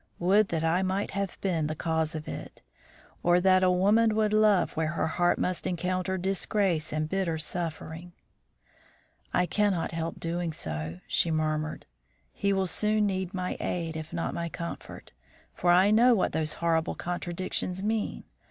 Would that I might have been the cause of it! or that a woman would love where she was loved and not where her heart must encounter disgrace and bitter suffering. "I cannot help doing so," she murmured. "He will soon need my aid, if not my comfort; for I know what these horrible contradictions mean.